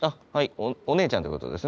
お姉ちゃんってことですね。